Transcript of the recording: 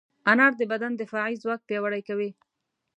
انار د بدن دفاعي ځواک پیاوړی کوي.